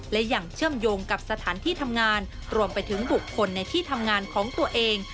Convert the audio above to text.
และอย่างเชื่อมโยงกับสถานที่ทำงานรวมไปถึงบุคคลในที่ทำงานของตัวเอง